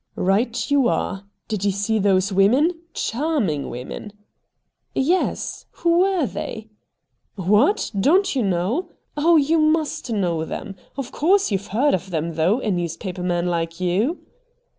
' Eight you are. Did you see those women ? Charming women !'' Yes. Who were they ?'' What ! Don't you know ? Oh, you must know them. Of course you've heard of them though — a newspaper man like you.'